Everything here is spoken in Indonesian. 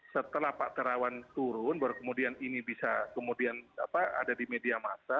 setelah pak terawan turun baru kemudian ini bisa kemudian ada di media masa